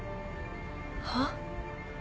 はっ？